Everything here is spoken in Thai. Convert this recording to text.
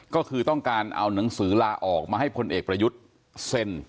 ก็คือต้องการเอาหนังสือลาออกมาให้พลเอกประยุทธ์เซ็น